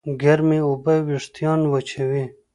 ګرمې اوبه وېښتيان وچوي.